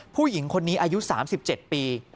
ผู้หญิงคนนี้อายุ๓๗ปี